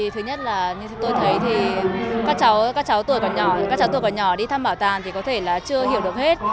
thứ nhất là như tôi thấy các cháu tuổi còn nhỏ đi thăm bảo tàng thì có thể là chưa hiểu được hết